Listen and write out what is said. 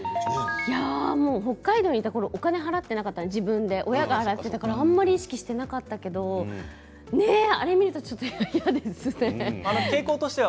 北海道にいたころお金を払っていなかった自分で親が払っていたからあまり意識していなかったけれどもあれを見ると嫌ですね。